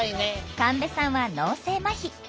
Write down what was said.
神戸さんは脳性まひ。